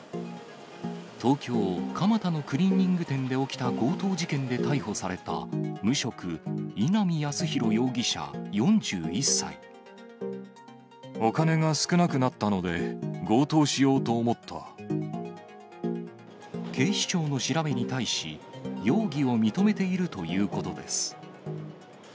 東京・蒲田のクリーニング店で起きた強盗事件で逮捕された、無職、お金が少なくなったので、警視庁の調べに対し、容疑を認めているということです。